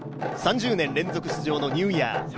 ３０年連続出場のニューイヤー。